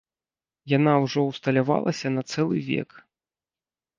Яна ўжо ўсталявалася на цэлы век.